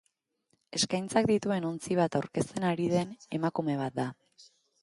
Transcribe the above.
Eskaintzak dituen ontzi bat aurkezten ari den emakume bat da.